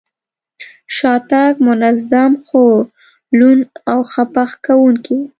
شاتګ منظم، خو لوند او خپه کوونکی و.